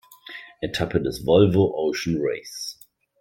Etappe des Volvo Ocean Race.